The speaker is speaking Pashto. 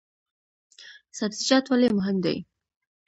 سبزیجات ولې مهم دي؟